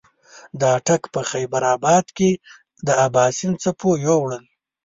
د اټک په خېبر اباد کې د اباسین څپو یوړل.